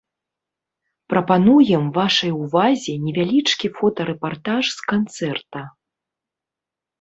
Прапануем вашай увазе невялічкі фотарэпартаж з канцэрта.